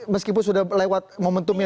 meskipun sudah lewat momentumnya